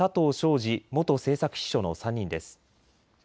志元政策秘書の３人です。